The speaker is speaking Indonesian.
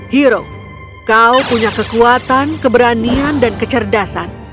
hero kau punya kekuatan keberanian dan kecerdasan